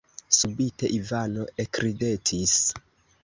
Subite Ivano ekridetis.